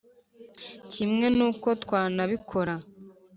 kimwe n` uko twanabikora